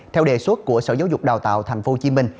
theo đề xuất của sở giáo dục đào tạo tp hcm